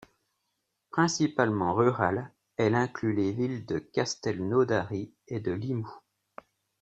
Principalement rurale, elle inclut les villes de Castelnaudary et de Limoux.